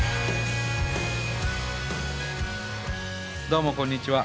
どうもこんにちは。